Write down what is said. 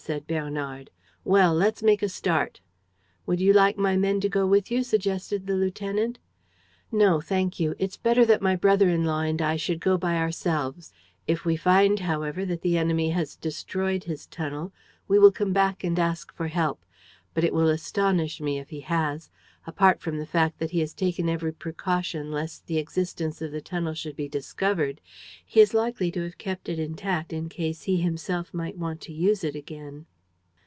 said Bernard. "Well, let's make a start." "Would you like my men to go with you?" suggested the lieutenant. "No, thank you. It's better that my brother in law and I should go by ourselves. If we find, however, that the enemy has destroyed his tunnel, we will come back and ask for help. But it will astonish me if he has. Apart from the fact that he has taken every precaution lest the existence of the tunnel should be discovered, he is likely to have kept it intact in case he himself might want to use it again."